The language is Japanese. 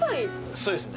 そうですね。